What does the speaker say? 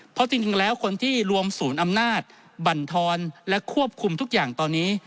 เพราะจริงแล้วคนที่รวมศูนย์อำนาจบรรทอนและควบคุมทุกอย่างตอนนี้